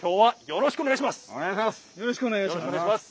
よろしくお願いします。